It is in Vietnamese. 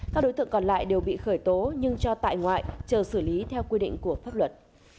các đối tượng còn lại đều bị khởi tố nhưng cho tại ngoại chờ xử lý theo quy định của pháp luật